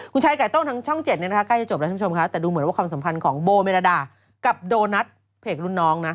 คุณชายไก่โต้งทางช่อง๗เนี่ยนะคะใกล้จะจบแล้วท่านผู้ชมค่ะแต่ดูเหมือนว่าความสัมพันธ์ของโบเมรดากับโดนัทเพจรุ่นน้องนะ